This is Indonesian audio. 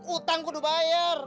utang kudu bayar